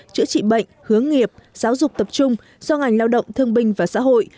chữa trị bệnh hướng nghiệp giáo dục tập trung do ngành lao động thương binh và xã hội